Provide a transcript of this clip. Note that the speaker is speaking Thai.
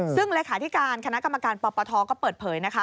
ซึ่งเลขาธิการคณะกรรมการปปทก็เปิดเผยนะคะ